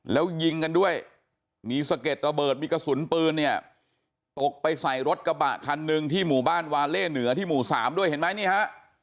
แล้วยิงกันด้วยมีสะเก็ดระเบิดมีกระสุนปืนเนี่ยตกไปใส่รถกระบะคันหนึ่งที่หมู่บ้านวาเล่เหนือที่หมู่๓ด้วยเห็นไหมนี่ฮะ